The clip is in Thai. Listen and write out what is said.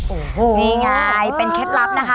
โอ้โหนี่ไงเป็นเคล็ดลับนะคะ